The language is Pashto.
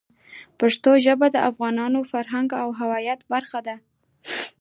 پښتو ژبه د افغانانو د فرهنګ او هویت برخه ده.